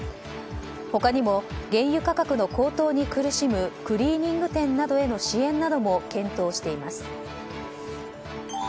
他にも原油価格の高騰に苦しむクリーニング店などへの支援も検討しています。